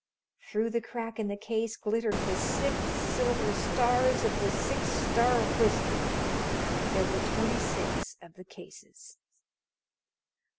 Through the crack in the case glittered the six silver stars of the Six Star whiskey. There were twenty six of the cases.